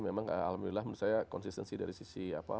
memang alhamdulillah menurut saya konsistensi dari sisi fokus dan kegiatan